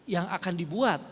yang akan dibuat